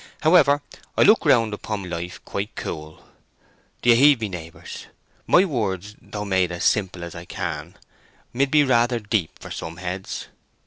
However, I look round upon life quite cool. Do you heed me, neighbours? My words, though made as simple as I can, mid be rather deep for some heads."